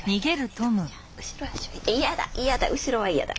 嫌だ嫌だ後ろは嫌だ。